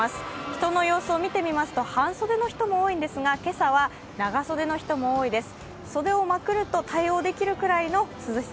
人の様子を見てみますと半袖の人も多いんですが、今朝は長袖の人も多いです。